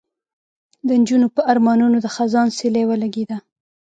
د نجونو په ارمانونو د خزان سیلۍ ولګېده